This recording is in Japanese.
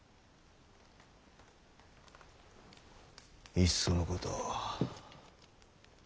いっそのこと